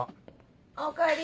あおかえり。